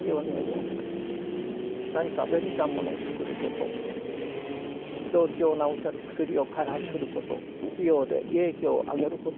何か便利なものを作ること病気を治せる薬を開発すること企業で利益を上げることでしょうか？